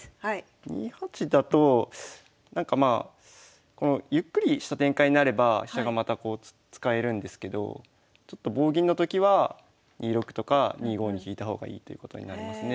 ２八だとなんかまあゆっくりした展開になれば飛車がまたこう使えるんですけどちょっと棒銀のときは２六とか２五に引いた方がいいということになりますね。